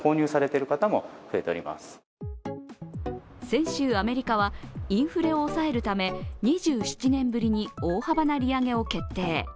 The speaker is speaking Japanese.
先週アメリカは、インフレを抑えるため２７年ぶりに大幅な利上げを決定。